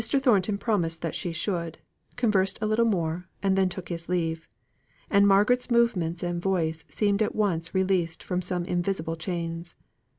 Thornton promised that she should conversed a little, and then took his leave; and Margaret's movements and voice seemed at once released from some invisible chains.